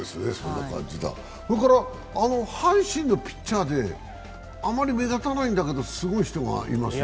それから阪神のピッチャーであまり目立たないんだけどすごい人がいますね。